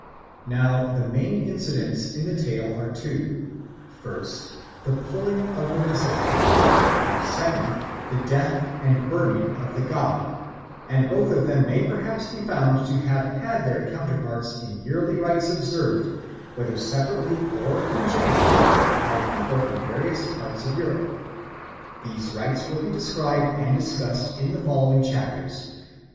Now the main incidents in the tale are two first, the pulling of the mistletoe, and second, the death and burning of the god; and both of them may perhaps be found to have had their counterparts in yearly rites observed, whether separately or conjointly, by people in various parts of Europe. These rites will be described and discussed in the following chapters.